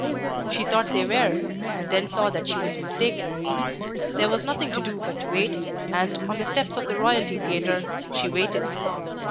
She thought they were, and then saw that she was mistaken. There was nothing to do but to wait, and on the steps of the Royalty Theatre she waited.